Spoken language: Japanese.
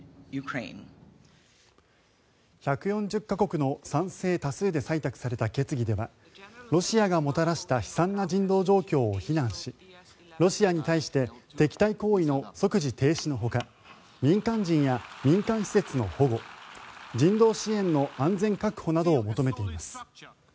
１４０か国の賛成多数で採択された決議ではロシアがもたらした悲惨な人道状況を非難しロシアに対して敵対行為の即時停止のほか民間人や民間施設の保護人道支援の安全確保などを求めています。